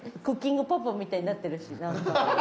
クッキングパパみたいになってるしなんか。